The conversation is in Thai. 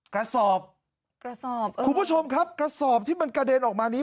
กระสอบกระสอบคุณผู้ชมครับกระสอบที่มันกระเด็นออกมานี้